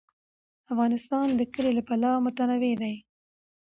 افغانستان د کلي له پلوه متنوع دی.